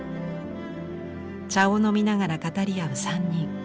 茶を飲みながら語り合う３人。